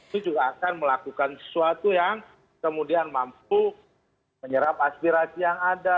itu juga akan melakukan sesuatu yang kemudian mampu menyerap aspirasi yang ada